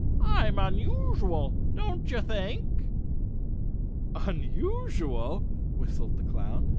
"I'm unusual—don't you think?" "Unusual," whistled the Clown.